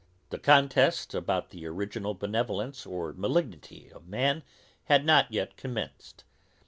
The contest about the original benevolence or malignity of man had not yet commenced.